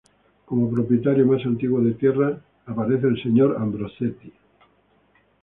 Como propietario más antiguo de tierras aparece el señor Ambrosetti.